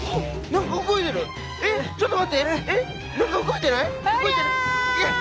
何か動いてない？